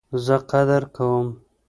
زه قدر کوم